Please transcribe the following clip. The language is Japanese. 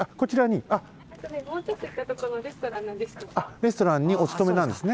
えっとねもうちょっといったとこのレストランなんですよ。